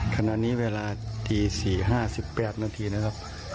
ขณะนี้เวลาตี๔๕๘นาทีนะครับ